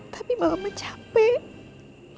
tapi mama capek